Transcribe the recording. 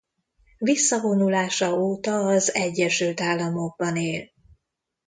Visszavonulása óta az Egyesült Államokban él.